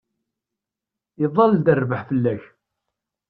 Iḍall-d rrbeḥ fell-ak.